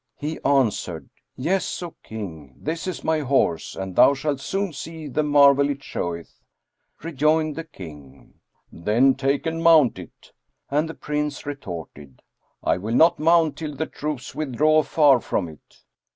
He answered, "Yes, O King, this is my horse, and thou shalt soon see the marvel it showeth." Rejoined the King, "Then take and mount it," and the Prince retorted, "I will not mount till the troops withdraw afar from it."